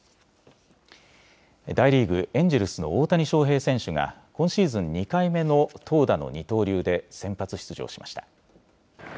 大リーグ、エンジェルスの大谷翔平選手が今シーズン２回目の投打の二刀流で先発出場しました。